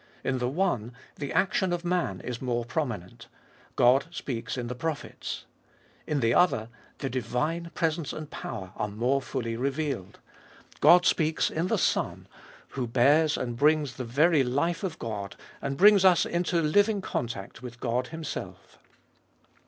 In the one, the action of man is more prominent: God speaks in the prophets. In the other, the divine pre sence and power are more fully revealed : God speaks in Ibolfest of Bit the Son, who bears and brings the very life of God, and brings us into living contact with God Himself.